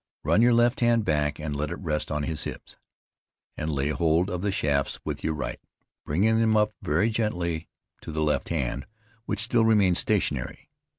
Run your left hand back and let it rest on his hip, and lay hold of the shafts with your right, bringing them up very gently to the left hand, which still remains stationary.